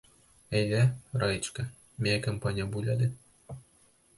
Әйҙә, Раечка, миңә компания бул әле.